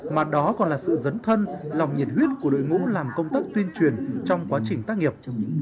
mà đó còn là sự dấn thân lòng nhiệt huyết của đội ngũ làm công tác tuyên truyền trong quá trình tác nghiệp